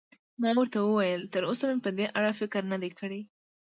ما ورته وویل: تراوسه مې په دې اړه فکر نه دی کړی.